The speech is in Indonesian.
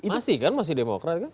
masih kan masih demokrat kan